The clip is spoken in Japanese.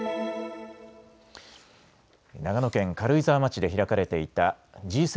長野県軽井沢町で開かれていたＧ７・